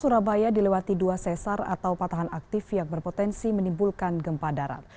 surabaya dilewati dua sesar atau patahan aktif yang berpotensi menimbulkan gempa darat